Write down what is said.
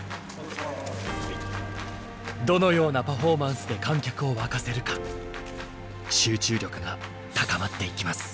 どのようなパフォーマンスで観客を沸かせるか集中力が高まっていきます。